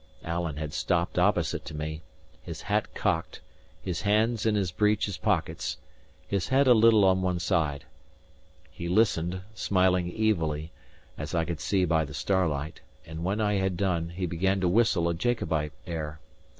Alan had stopped opposite to me, his hat cocked, his hands in his breeches pockets, his head a little on one side. He listened, smiling evilly, as I could see by the starlight; and when I had done he began to whistle a Jacobite air.